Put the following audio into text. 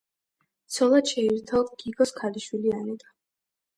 ცოლად შეირთო გიგოს ქალიშვილი ანეტა.